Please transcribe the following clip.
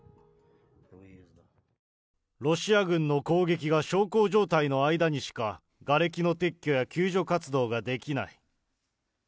ロシア軍の攻撃が小康状態の間にしか、がれきの撤去や救助活動ができない。